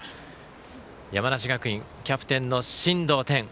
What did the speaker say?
山梨学院、キャプテンの進藤天。